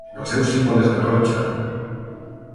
El seu símbol és la torxa.